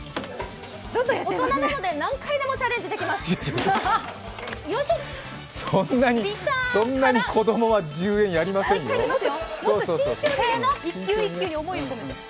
大人なので何回でもチャレンジできます。